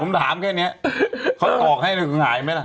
ฮ่ะผมถามแค่เนี้ยเขาตอบให้แล้วหายไหมล่ะ